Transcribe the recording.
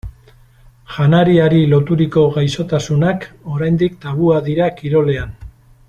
Janariari loturiko gaixotasunak oraindik tabua dira kirolean.